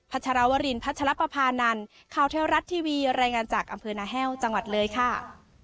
ชรวรินพัชรปภานันข่าวเทวรัฐทีวีรายงานจากอำเภอนาแห้วจังหวัดเลยค่ะ